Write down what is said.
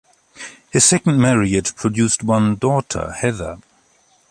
His second marriage produced one daughter, Heather.